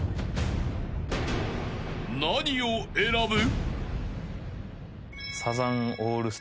［何を選ぶ？］